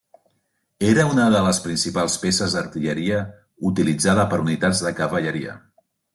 Era una de les principals peces d'artilleria utilitzada per unitats de cavalleria.